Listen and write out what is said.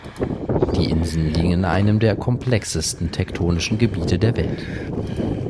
Die Inseln liegen in einem der komplexesten tektonischen Gebiete der Welt.